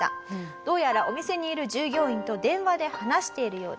どうやらお店にいる従業員と電話で話しているようです。